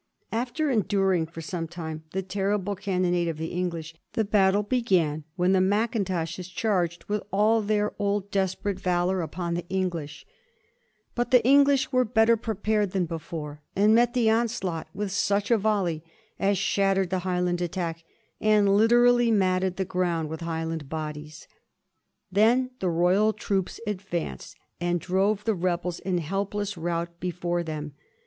After enduring for some time the ten ible cannonade of the English, the battle began when the Macintoshes charged with all their old desperate valor upon the English. 1746. GULLODKN. 225 Exit the English were better prepared than before, and met the onslaaght with such a volley as shattered the High hmd attack and literally matted the ground with High knd bodies. Then the Royal troops advanced, and drove the rebels in helpless rout before them.